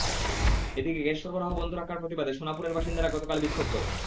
এদিকে গ্যাস সরবরাহ বন্ধ রাখার প্রতিবাদে সোনাপুরের বাসিন্দারা গতকাল বিক্ষোভ করে।